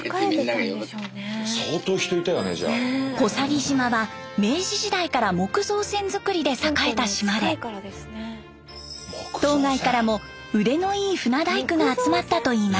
小佐木島は明治時代から木造船造りで栄えた島で島外からも腕のいい船大工が集まったといいます。